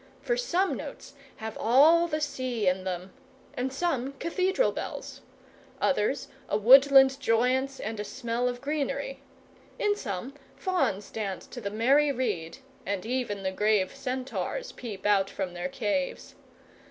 For some notes have all the sea in them, and some cathedral bells; others a woodland joyance and a smell of greenery; in some fauns dance to the merry reed, and even the grave centaurs peep out from their caves.